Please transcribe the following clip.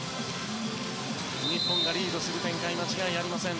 日本がリードする展開に間違いはありません。